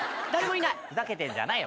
ふざけてんじゃないよ。